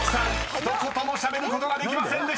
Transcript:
一言もしゃべることができませんでした！］